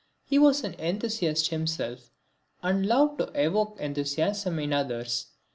He was an enthusiast himself and loved to evoke enthusiasm in others.